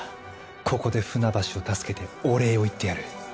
ここで船橋を助けてお礼を言ってやる